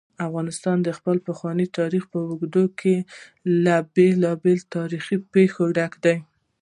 افغانستان د خپل پخواني تاریخ په اوږدو کې له بېلابېلو تاریخي پېښو ډک دی.